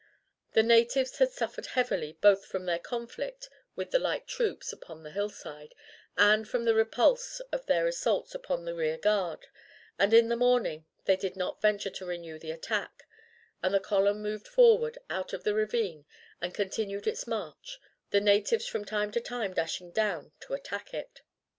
The natives had suffered heavily both from their conflict with the light troops upon the hillside, and from the repulse of their assaults upon the rear guard, and in the morning they did not venture to renew the attack, and the column moved forward out of the ravine and continued its march, the natives from time to time dashing down to attack it.